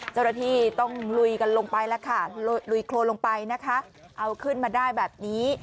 เจ้าหน้าที่ต้องลุยกันลงไปแล้วค่ะลุยโครนลงไปนะคะเอาขึ้นมาได้แบบนี้